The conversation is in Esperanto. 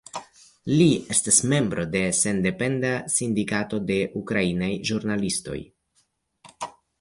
Li estas membro de sendependa sindikato de ukrainaj ĵurnalistoj.